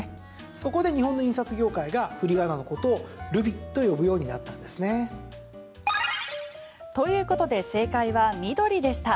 そこで、日本の印刷業界が振り仮名のことをルビと呼ぶようになったんですね。ということで正解は、緑でした。